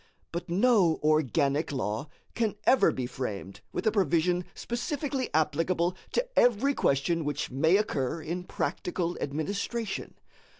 But no organic law can ever be framed with a provision specifically applicable to every question which may occur in practical administration.